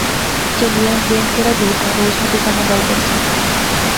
چہلئے، انگلینڈ کیڑا دور دا روز میں تو کنے گل کرساں